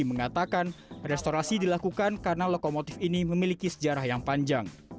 mengatakan restorasi dilakukan karena lokomotif ini memiliki sejarah yang panjang